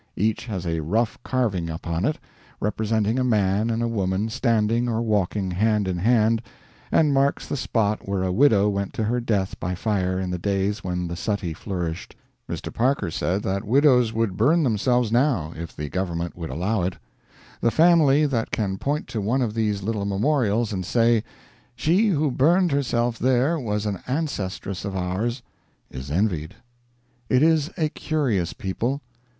Each has a rough carving upon it, representing a man and a woman standing or walking hand in hand, and marks the spot where a widow went to her death by fire in the days when the suttee flourished. Mr. Parker said that widows would burn themselves now if the government would allow it. The family that can point to one of these little memorials and say: "She who burned herself there was an ancestress of ours," is envied. It is a curious people.